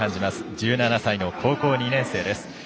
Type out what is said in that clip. １７歳の高校２年生です。